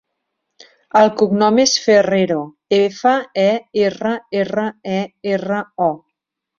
El cognom és Ferrero: efa, e, erra, erra, e, erra, o.